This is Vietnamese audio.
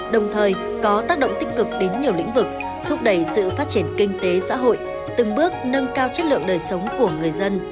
đồng thời có tác động tích cực đến nhiều lĩnh vực thúc đẩy sự phát triển kinh tế xã hội từng bước nâng cao chất lượng đời sống của người dân